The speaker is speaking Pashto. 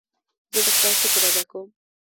زه د خدای شکر ادا کوم.